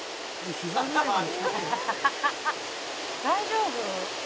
「大丈夫？」